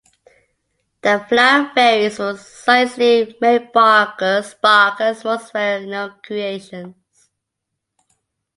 The Flower Fairies were Cicely Mary Barker's most well-known creations.